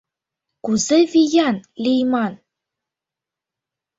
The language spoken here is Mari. Кузе виян лийман?